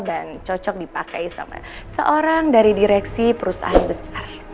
dan cocok dipakai sama seorang dari direksi perusahaan besar